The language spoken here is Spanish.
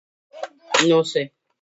Beyoncé